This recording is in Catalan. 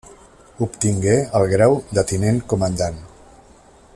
Obtingué el grau de tinent comandant.